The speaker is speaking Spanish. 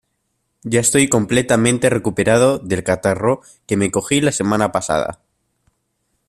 Ya estoy completamente recuperado del catarro que me cogí la semana pasada.